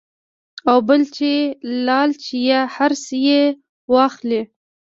او بل چې لالچ يا حرص ئې واخلي -